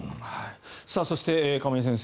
そして亀井先生